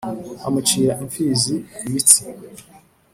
amucira imfizi ibitsi